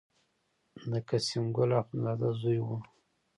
د قسیم ګل اخوندزاده زوی و.